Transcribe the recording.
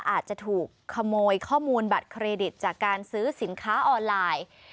อาจจะถูกขโมยข้อมูลบัตรเครดิตจากการซื้อสินค้าออนไลน์